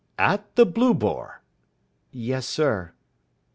"At the 'Blue Boar'?" "Yes, sir."